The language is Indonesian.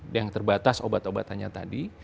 yang terbatas obat obatannya tadi